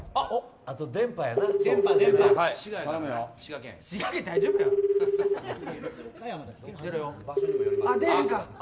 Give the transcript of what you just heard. ああ、出えへんか。